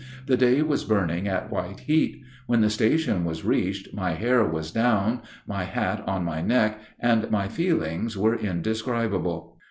The day was burning at white heat. When the station was reached my hair was down, my hat on my neck, and my feelings were indescribable.